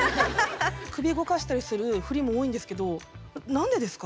首動かしたりする振りも多いんですけど何でですか？